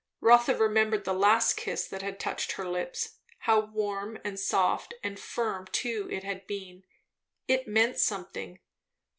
Rotha remembered the last kiss that had touched her lips; how warm and soft and firm too it had been; it meant something.